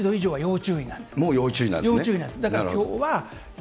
もう要注意なんですね。